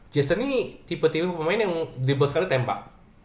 jason nih tipe tipe pemain yang di boss sekali tembak